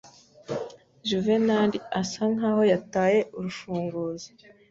Juvenali asa nkaho yataye urufunguzo.